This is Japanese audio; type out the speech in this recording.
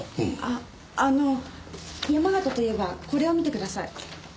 あの山形といえばこれを見てください。